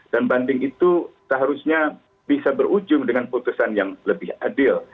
dan banding itu seharusnya bisa berujung dengan putusan yang lebih adil